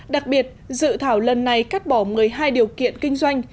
đặc biệt dự thảo lần này cắt bỏ một mươi hai điều kiện kinh doanh